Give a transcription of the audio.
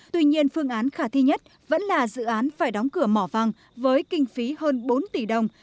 tuy nhiên phương án khả thi nhất vẫn là dự án phải đóng cửa mỏ vàng với kinh phí hơn bốn tỷ đồng